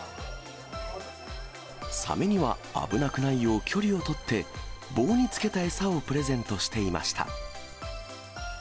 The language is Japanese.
サメには、危なくないよう距離を取って、棒に付けた餌をプレゼントしていました。